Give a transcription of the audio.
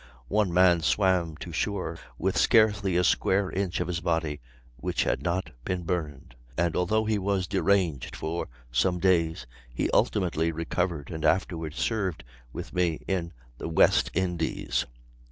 One man swam to shore with scarcely a square inch of his body which had not been burned, and, although he was deranged for some days, he ultimately recovered, and afterward served with me in the West Indies."